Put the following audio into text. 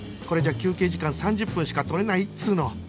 これじゃ休憩時間３０分しか取れないっつーの